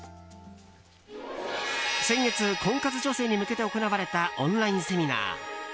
先月、婚活女性に向けて行われたオンラインセミナー。